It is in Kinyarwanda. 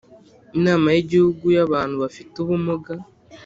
Inama y Igihugu y Abantu bafite ubumuga